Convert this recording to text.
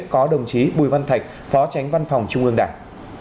có đồng chí bùi văn thạch phó tránh văn phòng trung ương đảng